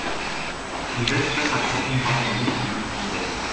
Die Wespe hat offenbar noch nicht genug vom Nektar.